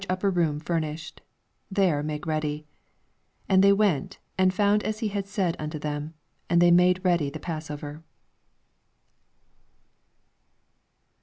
upper room furnished : tnere make ready. 13 And they went, and found as he had said unto them : and they made ready the Passover.